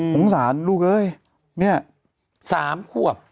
สงสารลูกเอ้ยเนี่ย๓ขวบ